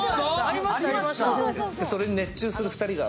それに熱中する２人が。